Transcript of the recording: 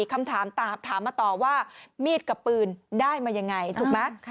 คำถามถามมาต่อว่ามีดกับปืนได้มายังไงถูกไหม